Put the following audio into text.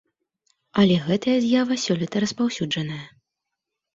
Але гэтая з'ява сёлета распаўсюджаная.